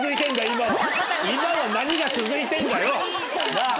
今は何が続いてんだよ？なぁ？